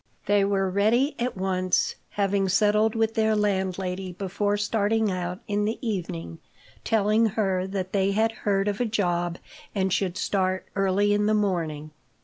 They were ready at once, having settled with their landlady before starting out in the evening, telling her that they had heard of a job and should start early in the morning.